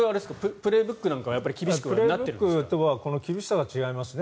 「プレーブック」とは厳しさが違いますね。